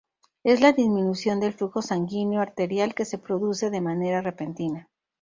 Es la disminución del flujo sanguíneo arterial que se produce de manera repentina.